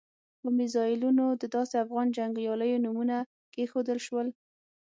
په میزایلونو د داسې افغان جنګیالیو نومونه کېښودل شول.